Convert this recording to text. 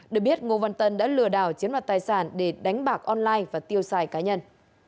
được biết ngô văn tân đã lừa đảo chiếm đoạt tài sản để đánh bạc online và tiêu xài cá nhân